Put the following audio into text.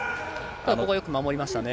ただ、ここはよく守りましたね。